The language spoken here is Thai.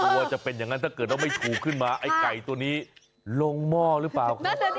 ว่าจะเป็นอย่างนั้นถ้าเกิดว่าไม่ถูกขึ้นมาไอ้ไก่ตัวนี้ลงหม้อหรือเปล่าครับ